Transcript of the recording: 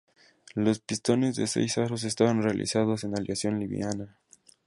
Los pistones de seis aros estaban realizados en aleación liviana.